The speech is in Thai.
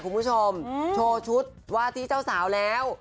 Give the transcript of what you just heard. คุณผู้ชมโชว์ชุดว่าที่เจ้าสาวแล้ว